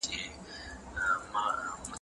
درنې جرګې مو په لمبو کي تودې وساتلې